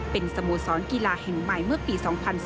เป็นสมุดสอนกีฬาแห่งใหม่เมื่อปี๒๔๕๙